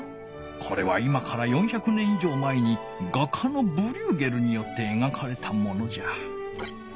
これは今から４００年いじょう前に画家のブリューゲルによってえがかれたものじゃ。